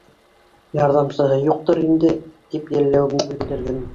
Ярҙамсыһы юҡтыр инде, — тип йәлләүемде белдерҙем.